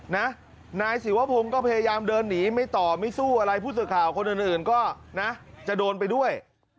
นายศิวพงศ์ก็พยายามเดินหนีไม่ต่อไม่สู้อะไรผู้สื่อข่าวคนอื่นก็นะจะโดนไปด้วย